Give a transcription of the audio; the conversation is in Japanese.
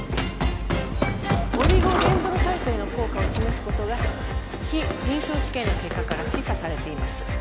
オリゴデンドロサイトへの効果を示すことが非臨床試験の結果から示唆されています